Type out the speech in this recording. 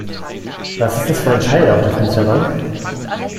Was ist das für ein Teil da auf der Fensterbank?